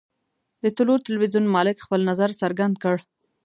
د طلوع ټلویزیون مالک خپل نظر څرګند کړ.